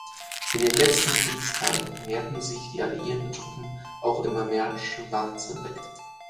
In den letzten Kriegstagen näherten sich die alliierten Truppen auch immer mehr Schwarzenbek.